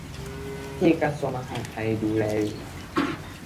ที่กระทรวงมหาดไทยดูแลอยู่